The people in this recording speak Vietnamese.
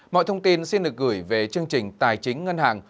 mọi thông tin xin được gửi về chương trình tài chính ngân hàng